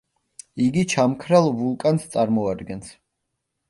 იგი ჩამქრალ ვულკანს წარმოადგენს.